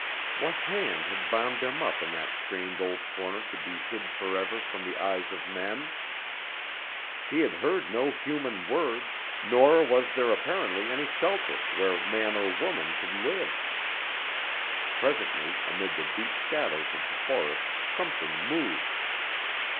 What hand had bound them up in that strange old corner to be hid forever from the eyes of men? He had heard no human word, nor was there apparently any shelter where man or woman could live. Presently amid the deep shadows of the forest something moved.